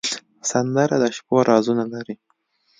سندره د شپو رازونه لري